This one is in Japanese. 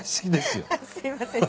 すいません。